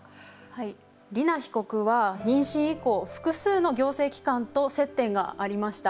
莉菜被告は妊娠以降複数の行政機関と接点がありました。